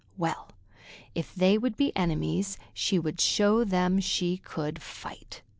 Well, if they would be enemies, she would show them she could fight.